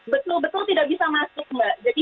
betul betul tidak bisa masuk mbak jadi